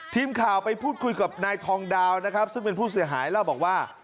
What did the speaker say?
ทีมข่าวไปพูดคุยกับนายทองดาวนะครับซึ่งเป็นผู้เสียหายเล่าบอกว่า